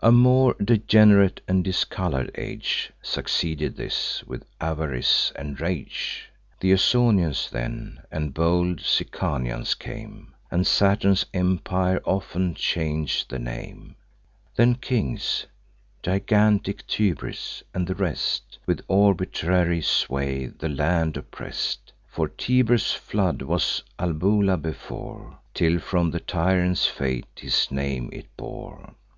A more degenerate and discolour'd age Succeeded this, with avarice and rage. Th' Ausonians then, and bold Sicanians came; And Saturn's empire often chang'd the name. Then kings, gigantic Tybris, and the rest, With arbitrary sway the land oppress'd: For Tiber's flood was Albula before, Till, from the tyrant's fate, his name it bore.